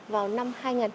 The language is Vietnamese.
vào năm hai nghìn hai mươi